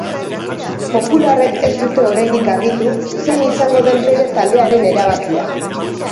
Popularrek ez dute oraindik argitu zein izango den bere taldearen erabakia.